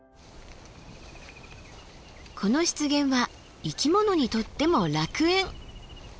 この湿原は生き物にとっても楽園。